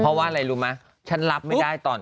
เพราะว่าอะไรรู้ไหมฉันรับไม่ได้ตอน